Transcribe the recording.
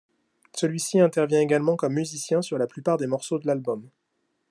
Celui-ci intervient également comme musicien sur la plupart des morceaux de l'album.